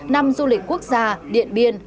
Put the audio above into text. năm du lịch quốc gia điện biên hai nghìn hai mươi bốn